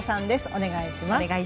お願いします。